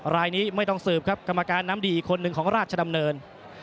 รายนี้ไม่ต้องสืบครับกรรมการน้ำดีอีกคนหนึ่งของราชดำเนิน